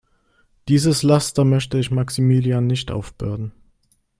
Dieses Laster möchte ich Maximilian nicht aufbürden.